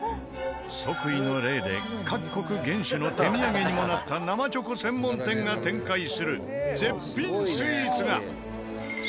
即位の礼で各国元首の手土産にもなった生チョコ専門店が展開する絶品スイーツが。